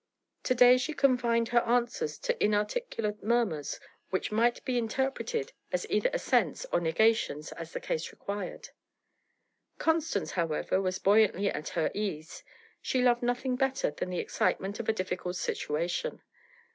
To day she confined her answers to inarticulate murmurs which might be interpreted as either assents or negations as the case required. Constance, however, was buoyantly at her ease; she loved nothing better than the excitement of a difficult situation.